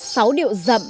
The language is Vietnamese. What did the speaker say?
sáu điệu dầm